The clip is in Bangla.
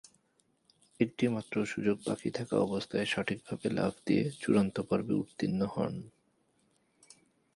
একটিমাত্র সুযোগ বাকী থাকা অবস্থায় সঠিকভাবে লাফ দিয়ে চূড়ান্ত-পর্বে উত্তীর্ণ হন।